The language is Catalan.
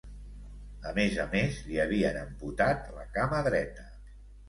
A més a més, li havien amputat la cama dreta.